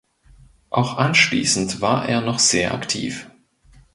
Auch anschließend war er noch sehr aktiv.